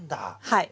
はい。